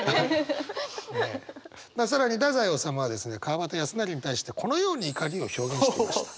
更に太宰治はですね川端康成に対してこのように怒りを表現していました。